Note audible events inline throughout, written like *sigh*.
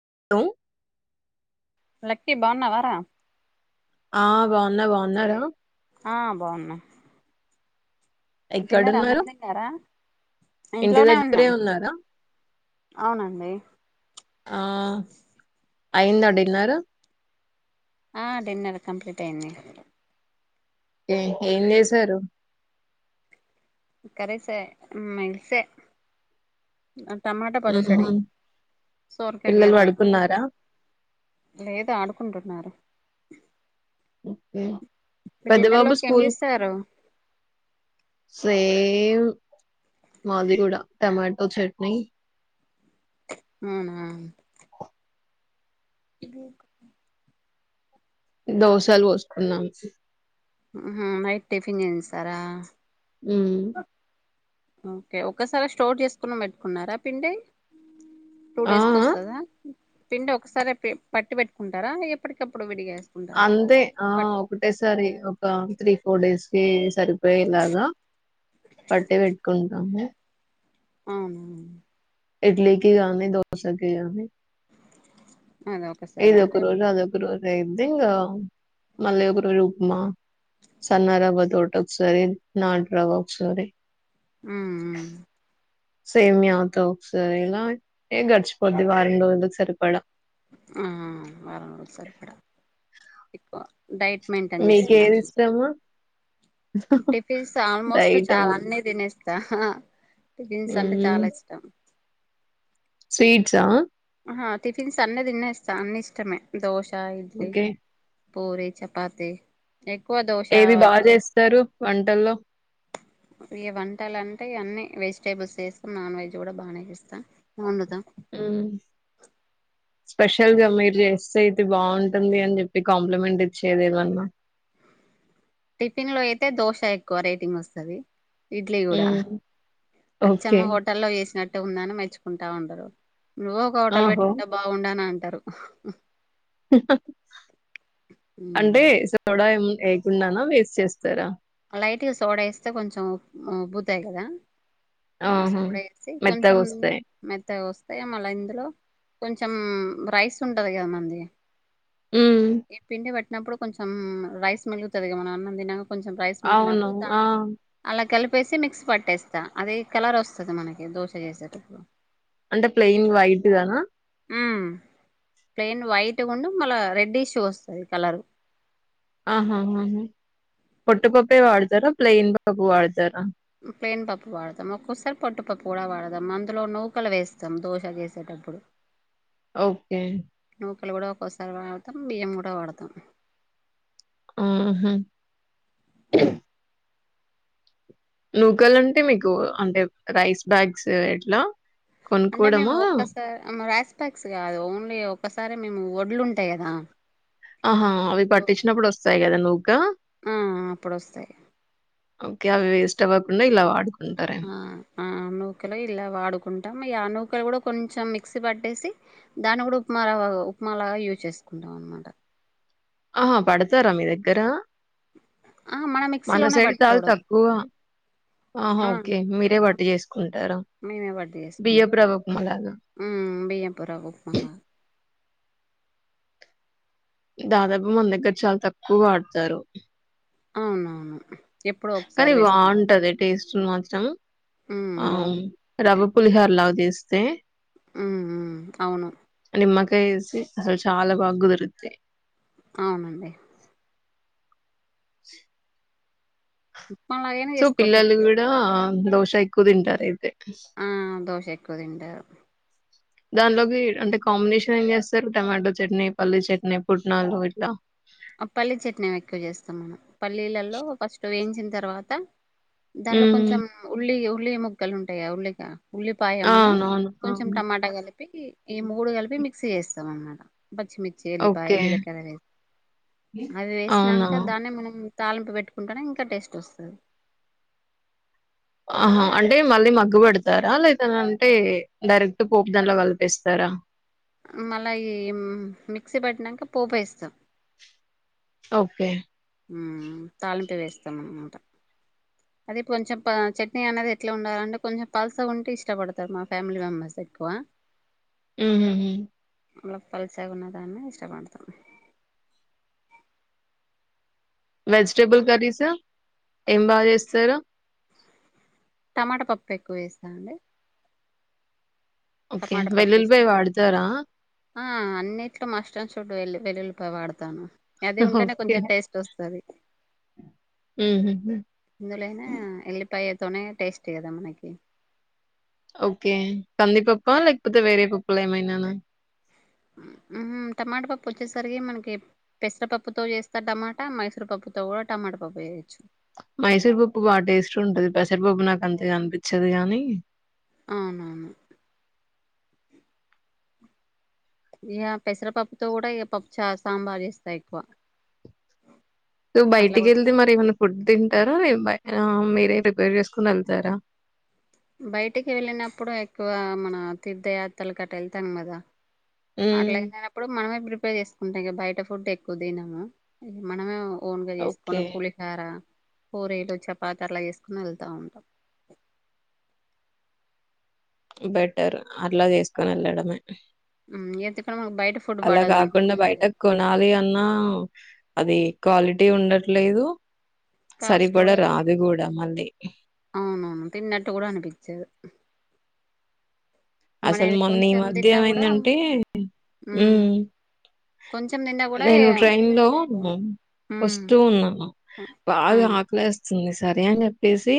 *unintelligible* Lucky బావున్నా వార ఆ బావున్నా బావున్నార ఆ బావున్నాం తిన్న అన్న ఎక్కడున్నారు? తిన్నారా ఇంటి ఇంట్లోనే దగ్గరే ఉన్నాం ఉన్నారా? అవునండి ఆ అయింద డిన్నర్ ఆ డిన్నర్ కంప్లీట్ అయి్యంది ఏ ఏం చేసారు కరేసే మైల్ సే అ టమాటా హుహు. పచ్చడి సొరకాయ పిల్లలు గర్రి పడుకున్నారా? లేదు ఆడుకుంటున్నారు. ఓకే డిన్నర్ పదబాబు లోకి ఏం స్కూల్ చేస్తారు స ఏ మాది టమాటో చట్నీ అవునా దకు దోశలు పోస్తున్నాం ఊహూ నైట్ టిఫిన్ చేయింస్తారా హ్మ్ ఓకే ఒక్కసారే స్టోర్ చేసుకుని పెట్టుకున్నారా పిండి టూ ఆ! డేస్ కి ఆ! వస్తదా పిండి ఒకసారే పే పట్టి పెట్టుకుంటారా ఎప్పటికప్పుడు విడిగా వేసుకుంటారా అంతే ఆ పట్ ఒకటేసారి ఒక త్రీ ఫోర్ డేస్ కీ సరిపోయేలాగా పట్టి పెట్టుకుంటాము అవునవును ఇడ్లి కి గానీ దోశ కి గానీ అదే ఒకసారి ఇదోక అంటే రోజు అదొక రోజు దేంది ఇగా మళ్ళీ ఒక రోజు ఉప్మా సన్నరవ్వ తోటి ఒకసారి నాటు రవ్వ ఒకసారి హ్మ్ మ్మ్ సేమియా తొ ఒకసారి ఇల ఎ గడిచిపోద్ది వరం రోజులకి సరిపడా వారం రోజులు సరిపడా ఎక్కువ డైట్ మెయింటైన్ మీకేది చేస్తున్నారమ్మ ఇస్టము టిఫిన్స్ ఆల్మోస్ట్ చాలా అన్ని తినేస్తా *unintelligible* టిఫిన్స్ అంటే చాలా ఇష్టం స్వీట్సా ఆ టిఫిన్స్ అన్ని తినేస్తా అన్ని ఇష్టమే దోశ తా ఇడ్లి ఓకే పూరి చపాతి ఎక్కువ దోశ ఏది బాగా ఎక్కువ ఇష్టం చేస్తారు వంటల్లో ఇ వంటలు అంటే అన్నీ వెజిటేబుల్స్ చేస్తాం నాన్ వెజ్ కూడా బానే చేస్తాం *unintelligible* స్పెషల్గా మీరు చేస్తే అయితే బాగుంటుంది అని చెప్పి కాంప్లిమెంట్ ఇచ్చేదిేమన్నా టిఫిన్ లో అయితే దోశ ఎక్కువ రేటింగ్ వస్తుంది. ఇడ్లీ కూడా మ్మ్. అచ్చం ఓకే మా హోటల్లో చేసినట్టు ట్టు ఉందని మెచ్చుకుంటా ఉంటరు నువ్వు ఒక హటల్ ఆహో పెట్టుకుంటే బాగుండాను అంట టరు అంటే సోడా ఎమ్ వేయకుండానా వేసి చేస్తరా లైట్గా సోడా వేస్తే కొంచెం మ్ ఉబ్బుతాయి కదా ఆ ఆహా సోడా వేసి మెత్తగా కొంచెం వస్తాయి మెత్తగా వస్తాయ మల్లా ఇందులో కొంచెం రైస్ ఉంటది కదా మంది మ్మ్. ఎ పిండి బట్ తీన్నప్పుడు కొంచెం రైస్ మిగులుతాదిగా మన ఆనం తినక కొంచెం రైస్ అవును ఆ ప్పేసి మిక్స్ పట్టేస్తా అది కలర్ వస్తుంది మనకి దోశ చేసేటప్పుడు అంటే ప్లెయిన్ వైట్ దనా ఉ ప్లెన్ వైట్ ఉండు మళ్ళ రెడ్ ఇష్యూ వస్తుంది కలరు ఆహా పుట్ పోటు పాపే వాడదారా ప్లైయిన్ పాపు వాడదారా ప్లెయిన్ పప్పు వాడదాం ఒక్కొసారి పట్టుపప్పు కూడా వాడదాం అందులో నూకలు వేస్తాం దోశ చేసేటప్పుడు. ఓకే మూక్కలు కూడా ఒక్కోసారి వాడతాం బియ్యం కూడా వాడతాం ఊహూ నూకలు అంటే మీకు అంటే రైస్ బ్యాగ్స్ ఎట్లా అంటే మేము కొనుక్కోవడమా ఒక్కసారి రాస్ ప్యాక్స్ కాదు ఓన్లీ ఓక్ క్కసారి మేము ఒడ్లు ఉంటాయి కదా ఆహా అవి పట్టించినప్పుడు వస్తా తయి కదా నూక ఆ అప్పుడు వస్తాయి ఓకే అవి వేస్ట్ అవ్వకుండా ఇలా వాడుకు ఆ ఆ నూకలో ఇలా వాడుకుంట ఈ అనూకలు కూడా కొంచెం మిక్సీ పట్టేసి దాన్ని కూడా ఉప్మా ఉప్మా లాగా యూజ్ చేసుకుంటాం అనమాట ఆహా పడతారా మీ దగ్గర మన మిక్సీలోనే సైడ్ చాలా పట్టుకోవడం తక్కువ ఆహా ఆ ఓకే మీరే మన పట్టు చేసుకుంటారా మేమే వడ్డి చేసుకుంటాం బియ్యపు రవ్వ ఉప్మా లాగా బియ్యపూర్వ ఉప్మా లాగా దాదాపు మన దగ్గర చాలా తక్కువగా వడతారు అవునవును ఎప్పుడో కానీ ఒకసారి వేస్తాం బావుంటది టేస్ సు మాతం ఉమ్ బాగుం అవున్ రవు పులిహోర లాగ చేస్తే ఉ అవును నిమ్మకాయ ఏసి అసలు చాలా బాగా కుదిరుది అవునండి చె ఉప్మాలాగైనా సో చేసుకోవచ్చు పిల్లలు ఇప్పుడు కూడాడా దోష ఇ కుతింటరు ఆతే దోష ఎక్కువ తింటారు దానిలోకి అంటే కాంబినేషన్ ఏం చేస్తారు టమాటో చట్నీ, పల్లీ చట్నీ పుట్నాలు ఇట్లా. ఆ పల్లీలి చట్నీ ఎక్కువ చేస్తాం మనం పల్లీలలో ఫస్ట్ వేంచిన్ తర్వాత దాంట్లో ఉమ్ కొంచం ఉల్లియు ఉల్లి ముక్కలుంటాయిగ ఉల్లిగా ఉల్లిపాయ ఉన్ను అవునవును కొంచెం అవును టమాటా కలిపి పి ఈ మూడు కలిపి మిక్సీ చేస్తాం పచ్చిమిర్చి ఎల్లిపాయ ఓకే జలకర వే అవి అవునా వేసినంక దాన్నే మనం తాలింపు పెట్టుకుంటనే ఇంకా టేస్ట్ వస్తది ఆహా అంటే మళ్ళీ మగ్గు పెడతారా లేదనంటే డైరెక్ట్ పోపు దాన్లో కలిపేస్తారా మళ్ళా ఈ మిక్సీ పట్టినంక పోపేస్తాం ఓకే ఉమ్ తాళింపు వేస్ *unintelligible* అది కొంచెం పి చట్నీ అనేది ఎట్ల ఉండాలంటే కొంచెం పల్సగుంటే ఇష్టపడతారు మా ఫ్యామిలీ మెంబెర్స్ ఎక్కువ హూ హూ హు మళ్ల పల్సగున్న దాన్నే ఇష్టపడతాం వెజిటేబుల్ కర్రీస్ ఏం బాగ చేస్తారు టమాటా పప్పు ఎక్కువ చేస్తామండి ఓకే. టమాటా పప్పు వెల్లుల్లిపాయ ఇస్తా వాడతారా? ఆ అన్నిట్లో మస్ట్ అండ్ షుడ్ వెల్లు వెల్లులిపాయ వాడతాను అది ఉంటేనే ఓకే. కొంచెం టేస్ట్ వస్తది హుహుహు. ఇందులోనే ఎళ్లి పాయెక్ తోనే టేస్ట్ కదా మనకి ఓకే కందిపప్పా లేకపోతే వేరే పప్పులేమైనానా ఊహూ టమాటా పప్పు వచ్చేసరికి మనకి పెసరపప్పుతో చేస్తారు టమాటా మైసూరు పప్పుతో కూడా టమాటా పప్పు చెయ్యొచ్చు మైసూర్ పప్పు బా టేస్ట్ ఉంటది పెసరపప్పు నాకు అంతగా అన్పిచ్చదు గానీ అవునవును ఇగ పెసరపప్పుతో కూడా ఇగ పప్పు చా సాంబారు చేస్తా ఎక్కువ నువ్వు అట్లా కూడా బయటికెళ్తే మరి ఏమైనా ఫుడ్ తింటారా ఏం బై ఆ మీరే ప్రిపేర్ చేసుకోనెళ్తారా బయటికి వెళ్ళినప్పుడు ఎక్కువ మన తీర్థయాత్రలు గట్ట వెళ్తాం కదా హ్మ్. అట్లాగలేనప్పుడు మనమే ప్రి పేర్ చేసుకుంటా ఇగ బయట ఫుడ్ ఎక్కువ తినము మనమే ఓన్గా చేసుకొని ఓకే. పులిహార పూరీలు చపాతట్లా చేసుకుని వెళ్తా ఉంటాం బెటర్ అట్లా చేసుకోని ఎళ్లడమే ఉమ్, ఎందుకంటే మనకు బయట ఫుడ్ అలా పడదు కాకుండా మళ్ళీ బయటకు కొనాలి అన్న అది క్వాలిటీ ఉండట్లేదు కాస్ట్ సరిపడ కూడా ఎక్- రాదు గూడా మళ్ళీ తిన్నట్ గూడా అన్పిచ్చదు అసలు మొన్న ఈ మధ్య కూడా ఏమైందంటే ఉమ్ కొంచెం తిన్నా కూడా నేను ఏ- ట్రైన్ లో ఉమ్, వస్తూ ఉన్నాను ఆ, బాగా ఆకలేస్తుంది సరే అని చెప్పేసి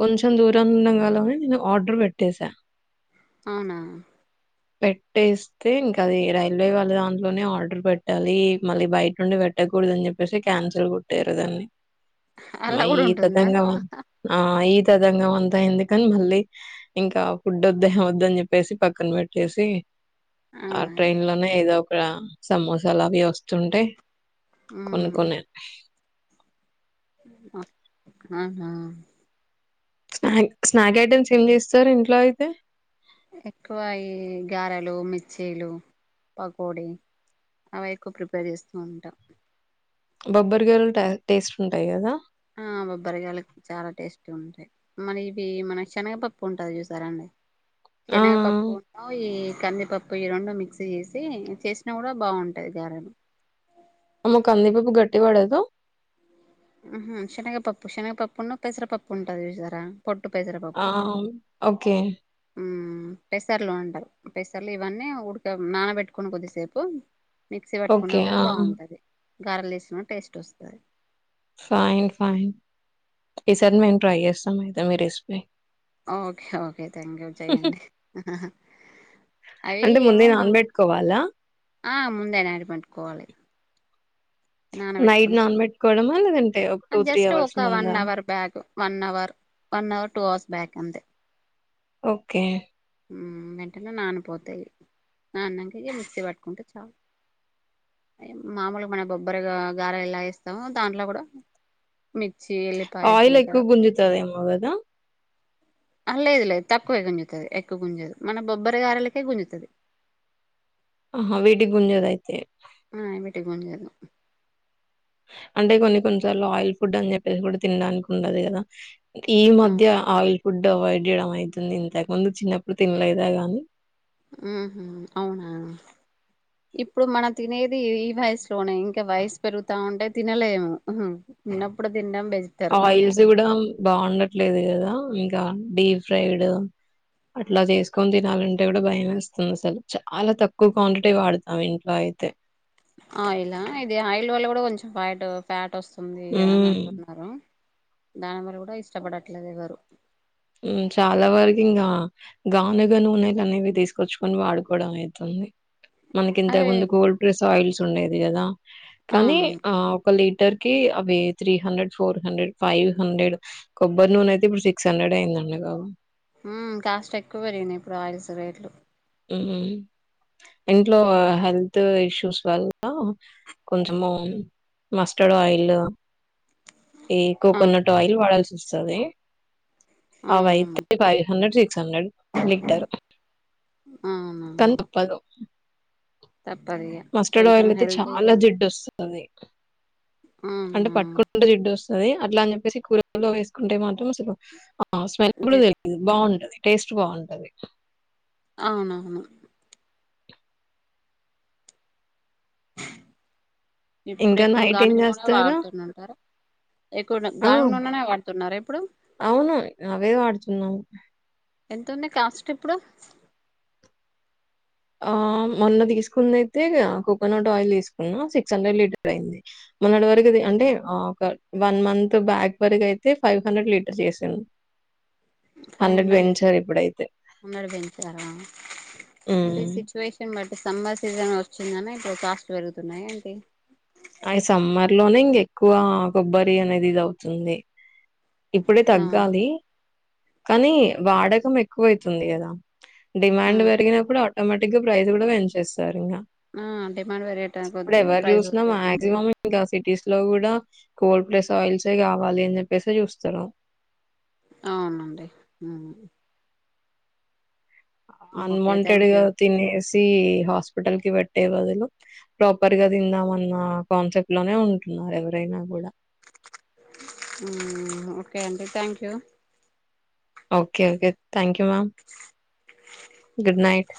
కొంచెం దూరం ఉండంగాలనే నేను ఆర్డర్ పెట్టసా అవునా పెట్టేస్తే ఇంకది రైల్వే వాళ్ళ దాంట్లోనే ఆర్డర్ పెట్టాలి మళ్ళీ బయట నుండి పెట్టకూడదు అని చెప్పేసి క్యాన్సిల్ కొట్టేరు దాన్ని అలా మై కూడా ఉంటుందా తతంగమా ఈ తతంగమంతా ఎందుకని మళ్ళీ ఇంకా ఫుడ్ ఒద్దు ఏం ఒద్దు అని చెప్పేసి పక్కన పెట్ టేసి ఆ అవునా ట్రైన్ లోనే ఏదో రా సమోసలు అవి వస్తుంటే ఉహు కొనుకొనే ఆహా అవునా స్నాక్ స్నాక్ ఐటమ్స్ ఏం చేస్తారు ఇంట్లో అయితే ఎక్కువ ఈ గారలు మిర్చీలు పకోడి అవి ఎక్కువ ప్రిపేర్ చేస్తూ ఉంటా బొబ్బర్ గారుంట టేస్ట్ ఉంటాయి కదా ఆ బబ్బరిగాయలకి చాలా టేస్టీ ఉంటాయి మరి ఇవి మన శనగ పప్పు ఉంటాది చూసారాండి ఆ! శనగపప్పు నూ ఈ కందిపప్పు ఈ రెండు మిక్సీ చేసి చేసినా కూడా బావుంటాది గారెలు అమ్మో కందిపప్పు గట్టి పడదూ ఊహూ షెనగపప్పు షెనగపప్పున్నూ పెసరపప్పు ఉంటది చూసారా పొట్టు ఆవ్ ఓకే ఊ పెసర్లు అంటారు పెసర్లు ఇవన్నీ ఉడక నానబెట్టుకొని కొద్దిసేపు మిక్సీ పట్టుకున్నా ఓకే. కూడా ఆ! బావుంటది గారెల్లేసినా టేస్టొస్తది ఫైన్ ఫైన్ ఈసారి మేము ట్రై చేస్తాం ఐతే మీ recipe okay okay thank you చెయ్యండి అవి అంటే ముందే ఏమమ్మా నానబెట్టుకోవాలా? ఆ ముందే నాడి పట్టుకోవాలి నైట్ నానబెట్టుకోడమూ *unintelligible* జస్ట్ ఒక one hour back one hour one hour two hours back అంతే ఓకే ఉమ్ వెంటనే నానిపోతాయి ఆ అన్నంకియే మిక్సి పట్టుకుంటే చాలు మామూలుగా మన బొబ్బరిగా గారె ఎలా ఏస్తామో దాంట్లో కూడా మిర్చి ఎల్లిపాయ ఆయిల్ జీలకర్ర ఎక్కువ గుంజుతాదేమో గదా ఆ లేదు లేదు తక్కువే గుంజుతది ఎక్కువ గుంజదు మన బొబ్బరు గారెలకే గుంజుతది ఆహా వేడి గుంజద అయితే వీటికి ఆ గుంజదు అంటే కొన్ని కొన్నిసార్లు ఆయిల్ ఫుడ్ అని చెప్పేసి కూడా తినడానికి ఉండదు కదా ఈ ఆ మధ్య ఆయి ఫుడ్ అవాయిడ్ చేయడం అయితుంది ఇంతకు ముందు చిన్నప్పుడు తినలేదా గాని ఊహూ అవునా ఇప్పుడు మనం తినేది ఈ వయసులోనే ఇంకా వయసు పెరుగుతా ఉంటే తినలేము తిన్నప్పుడు తినడం బెటర్ ఆయిల్స్ కూడా బావుండట్లేదు కదా ఇంకా డీప్ ఫ్రైడ్ అట్లా చేసుకొని తినాలంటే కూడా భయం వేస్తుంది అసలు చాలా తక్కువ క్వాంటిటీ వాడతాం ఇంట్లో అయితే ఆయిలా ఇది ఆయిల్ వల్ల కూడా కొంచెం ఫ్యాట్ ఫ్యాట్ వస్తుం వస్తుందియా అని ఉమ్ అంటున్నారు దాని వల్ల కూడా ఇష్టపడట్లేదు ఎవరు చాలా వరకు ఇంకా గానుగా నూనెలు అనేవి తీసుకొచ్చుకొని వాడుకోవడం అయితుంది. మనకి ఇంతకు అదే ముందు గోల్డ్ ప్లస్ సాయిల్స్ ఉండేది కదా కానీ అవును ఆ ఒక లీ లీటర్ కి అవి three hundred four hundred five hundred కొబ్బరి నూనె అయితే ఇప్పుడు సిక్స్ హండ్రెడ్ *unintelligible* హ్మ్ కాస్ట్ ఎక్కువ పెరిగినయ్ ఇప్పుడు ఆయిల్స్ రేట్లు హ్మ్ ఇంట్లో హెల్త్ ఇష్యూస్ వల్ల కొంచము మస్టర్డ్ ఆయిలు ఏ ఆ కోకోనట్ ఆయిల్ వాడాల్సి వస్తది అవును అవయితే ఫైవ్ హండ్రెడ్ సి సిక్స్ హండ్రెడ్ లీటరు అవునవును కానీ తప్పదు తప్పదిగా మస్టర్డ్ ఆయిల్ కొంచెం అయితే చాలా హెల్తీగా జిడ్డొస్ తుంది అంటే అవునా పట్టుకుంటే జిడ్డు వస్ ది అట్లా అని చెప్పేసి కూరలో వేసుకుంటే మాత్రం అసలు ఆ స్మెల్ జి కూడా తెలీదు బావుంటది. టేస్ట్ బావుంటది అవునవును ఇప్పుడు ఇంకా ఎక్కువ నైట్ ఏం గానుగ నూనె చేస్తారు వాడుతుండుంటారా ఎక్కువ ఆ గానుగ నూనెనే వాడుతున్నారా ఇప్పుడు అవును అవే వాడుతున్నాం ఎంత ఉంది కాస్ట్ ఇప్పుడు ఆ మొన్న తీసుకుందైతే ఇగ కోకోనట్ ఆయిల్ తీసుకున్నా సిక్స్ హండ్రెడ్ లీటర్ అయ్యింది మొన్నటి వరకుది అంటే ఒక వన్ మంత్ బ్యాక్ వరకు అయితే ఫైవ్ హండ్రెడ్ లీటర్ చేసిన్ ఫైవ్ హండ్రెడ్ లీటర్ హండ్రెడ్ పెంచారా ఉమ్. అంటే సిచువేషన్ బట్ సమ్మర్ సీజన్ వచ్చిందనే ఇప్పుడు కాస్ట్ పెరుగుతున్నాయి ఏంటి అయి సమ్మర్ లోనే ఇంగే క్కువ కొబ్బరి అనేది ఇదవుతుంది ఇప్పుడే ఆ తగ్గాలి కానీ వాడకం ఎక్కువైతుంది గదా ఆ డిమాండ్ పెరిగినప్పుడా ఆటోమేటిక్ గా ప్రైజ్ కూడా పెంచేస్తారు ఇంకా ఆ డిమాండ్ పెరిగేట ఇప్పుడు కొద్దీ ఎవరు ప్రైస్ కూడా చూసినా పెరిగింది మాక్సిమం పెరిగింది. ఇంకా సిటీస్ లో కూడా కోల్డ్ ప్రెస్ ఆయిల్సే కావాలి అని చెప్పేసి చూస్తన్నా అవునండి మ్ ఓకే అన్వాంటెడ్ థ్యాంక్ గా యూ తినేసి హాస్పిటల్ కి పెట్ అట్టే బదులు ప్రాపర్ గా తిందామన్న కాన్సెప్ట్ లోనే ఉంటున్నారు ఎవరైనా కూడా మ్ ఓకే అండి thank you okay okay thank you ma'am good night